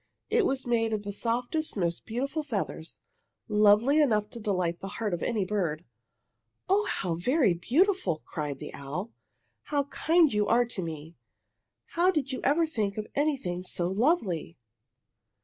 It was made of the softest, most beautiful feathers, lovely enough to delight the heart of any bird. "Oh, how very beautiful!" cried the owl. "How kind you are to me! How did you ever think of anything so lovely?"